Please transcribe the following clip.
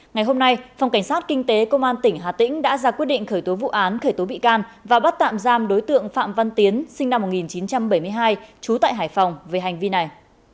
ngày hôm nay phòng cảnh sát kinh tế công an tỉnh hà tĩnh đã ra quyết định khởi tố vụ án khởi tố bị can và bắt tạm giam đối tượng phạm văn tiến sinh năm một nghìn chín trăm bảy mươi hai trú tại hải phòng về hành vi này